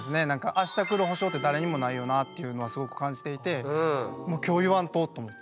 明日くる保証って誰にもないよなっていうのはすごく感じていて「今日言わんと！」と思って。